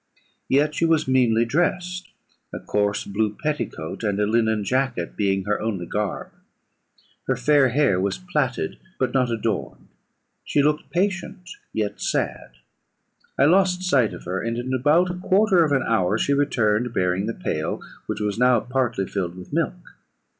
Yet she was meanly dressed, a coarse blue petticoat and a linen jacket being her only garb; her fair hair was plaited, but not adorned: she looked patient, yet sad. I lost sight of her; and in about a quarter of an hour she returned, bearing the pail, which was now partly filled with milk.